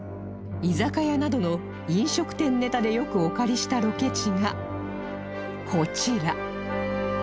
居酒屋などの飲食店ネタでよくお借りしたロケ地がこちら